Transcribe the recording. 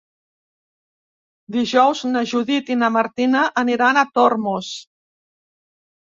Dijous na Judit i na Martina aniran a Tormos.